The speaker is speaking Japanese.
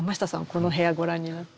この部屋ご覧になって。